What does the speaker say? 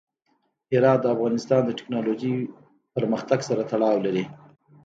هرات د افغانستان د تکنالوژۍ پرمختګ سره تړاو لري.